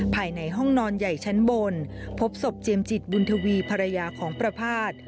ภายในห้องนอนใหญ่ชั้นบนพบศพเจียมจิตบุญทวีภรรยาของประภาษณ์